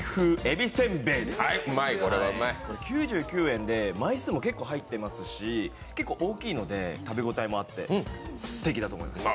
９９円で枚数も結構入っていますし、結構大きいので食べ応えもあってすてきだと思います。